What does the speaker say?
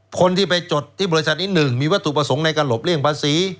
คนที่ไปจดที่บริษัทนี้๑มีวัตถุประสงค์ในการหลบเลี่ยงภาษี